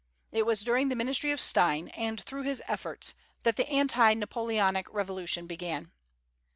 It was during the ministry of Stein, and through his efforts, that the anti Napoleonic revolution began.